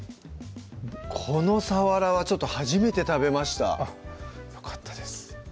このさわらは初めて食べましたよかったです